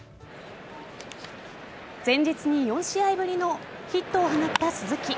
前日に４試合ぶりのヒットを放った鈴木。